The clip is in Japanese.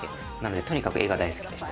とにかく絵が大好きでした。